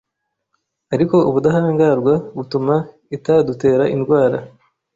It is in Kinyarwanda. ariko ubudahangarwa butuma itadutera indwara